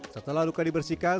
setelah luka dibersihkan